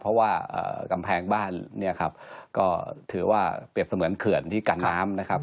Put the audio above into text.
เพราะว่ากำแพงบ้านเนี่ยครับก็ถือว่าเปรียบเสมือนเขื่อนที่กันน้ำนะครับ